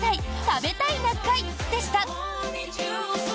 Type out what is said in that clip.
食べたい！な会」でした。